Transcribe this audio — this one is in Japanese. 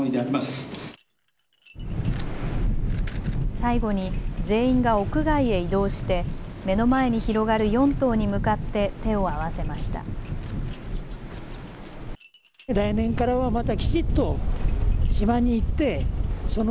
最後に全員が屋外へ移動して目の前に広がる四島に向かって手を合わせました。